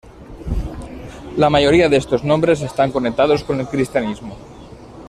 La mayoría de estos nombres están conectados con el cristianismo.